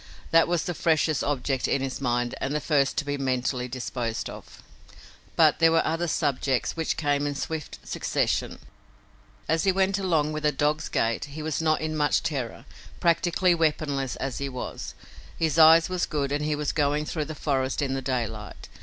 That was the freshest object in his mind and the first to be mentally disposed of. But there were other subjects which came in swift succession. As he went along with a dog's gait he was not in much terror, practically weaponless as he was. His eye was good and he was going through the forest in the daylight.